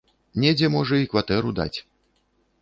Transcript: Недзе, можа, і кватэру даць.